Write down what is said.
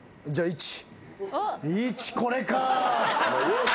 １これか。